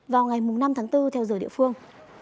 vào ngày năm tháng bốn theo giờ địa phương